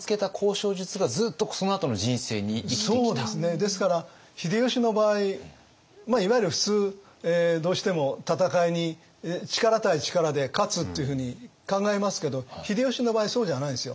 ですから秀吉の場合いわゆる普通どうしても戦いに力対力で勝つっていうふうに考えますけど秀吉の場合そうじゃないんですよ。